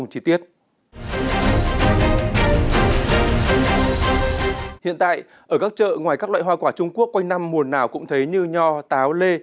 hiện tại ở các chợ ngoài các loại hoa quả trung quốc quanh năm mùa nào cũng thấy như nho táo lê